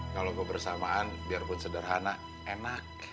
kalau kebersamaan biarpun sederhana enak